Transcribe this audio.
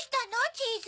チーズ。